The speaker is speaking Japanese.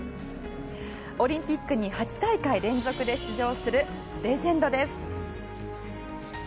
オリンピックに８大会連続で出場するレジェンドです。